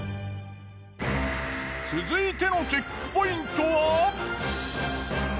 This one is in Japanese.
続いてのチェックポイントは。